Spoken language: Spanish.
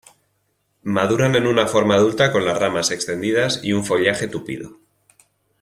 Maduran en una forma adulta con las ramas extendidas y un follaje tupido.